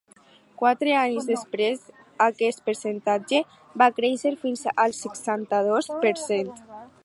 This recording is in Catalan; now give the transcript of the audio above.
Quatre anys després aquest percentatge va créixer fins al seixanta-dos per cent.